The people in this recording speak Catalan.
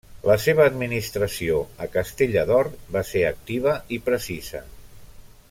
La seva administració a Castella d'Or va ser activa i precisa.